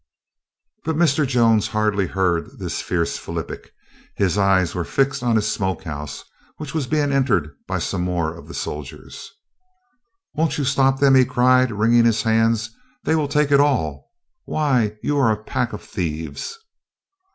But Mr. Jones hardly heard this fierce Phillipic; his eyes were fixed on his smoke house, which was being entered by some more of the soldiers. "Won't you stop them," he cried, wringing his hands; "they will take it all! Why, you are a pack of thieves!"